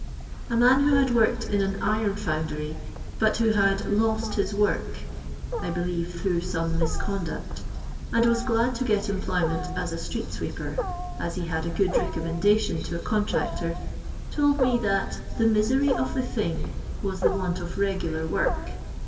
A man who had worked in an iron foundry, but who had " lost his work *' (I believe through some misconduct) and was glad to get employment as a street sweeper, as he had a good recommenda tion to a contractor, told me that *' the misery of the thing" was the want of regular work.